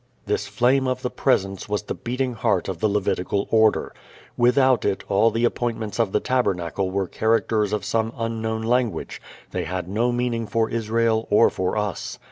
This Flame of the Presence was the beating heart of the Levitical order. Without it all the appointments of the tabernacle were characters of some unknown language; they had no meaning for Israel or for us.